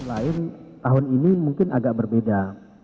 lain tahun ini mungkin agak berbeda